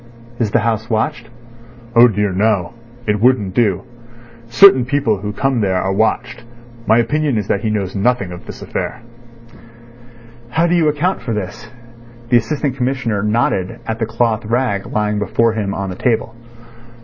"Is the house watched?" "Oh dear, no. It wouldn't do. Certain people who come there are watched. My opinion is that he knows nothing of this affair." "How do you account for this?" The Assistant Commissioner nodded at the cloth rag lying before him on the table.